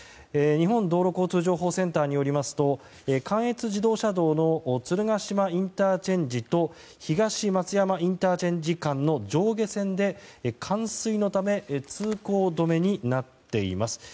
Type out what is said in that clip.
日本道路交通情報センターによりますと関越自動車道の鶴ヶ島ＩＣと東松山ＩＣ間の上下線で冠水のため通行止めになっています。